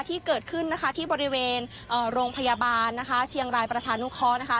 ที่เกิดขึ้นนะคะที่บริเวณโรงพยาบาลนะคะเชียงรายประชานุเคราะห์นะคะ